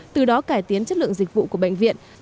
từ đó cải tiến chất lượng dịch vụ của bệnh viện